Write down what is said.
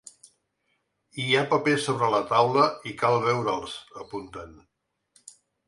Hi ha papers sobre la taula i cal veure’ls, apunten.